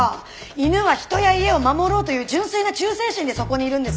犬は人や家を守ろうという純粋な忠誠心でそこにいるんです。